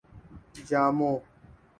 جامو